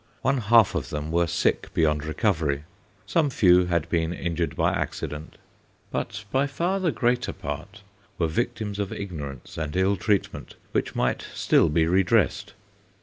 One half of them were sick beyond recovery, some few had been injured by accident, but by far the greater part were victims of ignorance and ill treatment which might still be redressed.